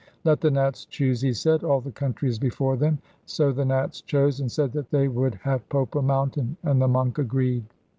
'Let the Nats choose,' he said; 'all the country is before them.' So the Nats chose, and said that they would have Popa Mountain, and the monk agreed.